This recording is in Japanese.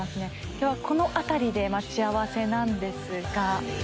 今日はこの辺りで待ち合わせなんですが。